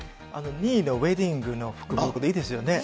２位のウエディングの福袋、いいですよね。